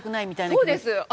そうです！